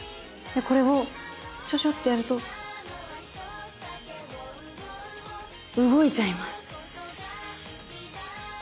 これをちょちょってやると動いちゃいます。